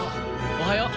おはよう。